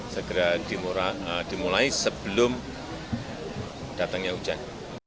segera dimulai sebelum datangnya hujan